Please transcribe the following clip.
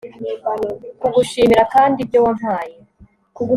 kugushimira, kandi ibyo wampaye